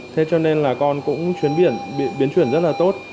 thế cho nên là con cũng chuyển biển biến chuyển rất là tốt